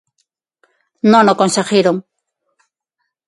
Non o conseguiron.